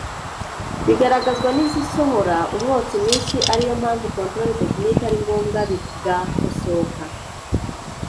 bigaragazwa n’izisohora umwotsi mwinshi ari yo mpamvu ‘controle technique’ ari ngombwa bigakosoka